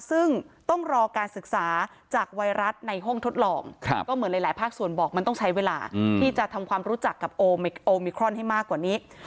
ซึ่งต้องรอการศึกษาจากไวรัสในห้องทดลองก็เหมือนหลายภาคส่วนบอกมันต้องใช้เวลาที่จะทำความรู้จักกับโอมิครอนให้มากกว่านี้